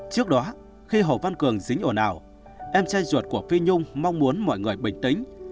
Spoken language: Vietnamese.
trước đó khi hồ văn cường dính ồ nào em trai ruột của phi nhung mong muốn mọi người bình tĩnh